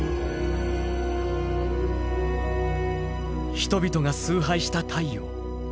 人々が崇拝した太陽。